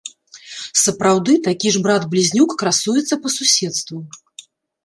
Сапраўды такі ж брат-блізнюк красуецца па суседству.